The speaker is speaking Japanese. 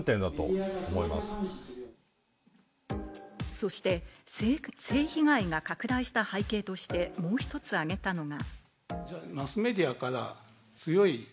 そして性被害が拡大した背景として、もう１つ挙げたのが。